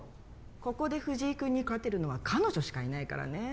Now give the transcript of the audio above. ここで藤井君に勝てるのは彼女しかいないからねえ